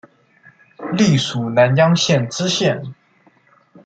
历署南江县知县。